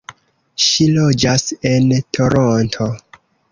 Ŝi loĝas en Toronto.